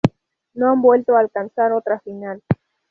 No han vuelto a alcanzar otra final.